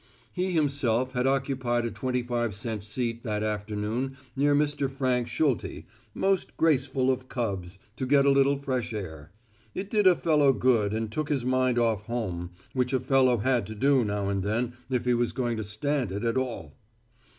He himself had occupied a twenty five cent seat that afternoon near Mr. Frank Schulte, most graceful of Cubs, to get a little fresh air. It did a fellow good and took his mind off home, which a fellow had to do now and then if he was going to stand it at all.